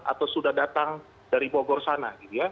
atau sudah datang dari bogor sana